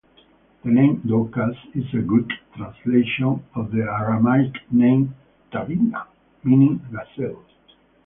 The name "Dorcas" is a Greek translation of the Aramaic name "Tabitha", meaning "gazelle".